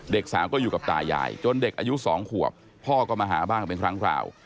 สาวก็อยู่กับตายายจนเด็กอายุ๒ขวบพ่อก็มาหาบ้างเป็นครั้งคราว